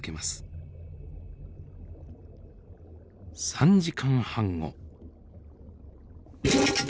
３時間半後。